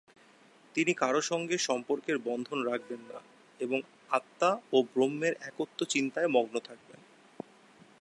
তিনি কারোর সঙ্গে সম্পর্কের বন্ধন রাখবেন না এবং আত্মা ও ব্রহ্মের একত্ব চিন্তায় মগ্ন থাকবেন।